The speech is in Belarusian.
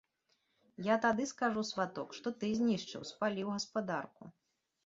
Я тады скажу, сваток, што ты знішчыў, спаліў гаспадарку.